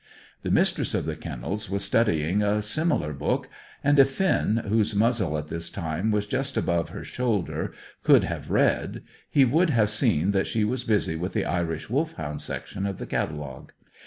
The Mistress of the Kennels was studying a similar book, and if Finn, whose muzzle at this time was just above her shoulder, could have read, he would have seen that she was busy with the Irish Wolfhound section of the catalogue.